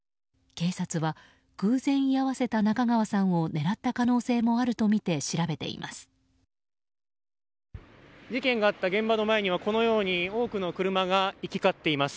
警察は偶然居合わせた中川さんを狙った可能性もあるとみて調べています。